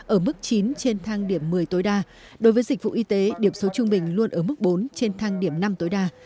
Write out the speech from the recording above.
ở mức chín trên thang điểm một mươi tối đa đối với dịch vụ y tế điểm số trung bình luôn ở mức bốn trên thang điểm năm tối đa